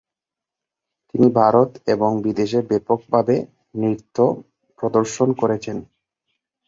তিনি ভারত এবং বিদেশে ব্যাপকভাবে নৃত্য প্রদর্শন করেছেন।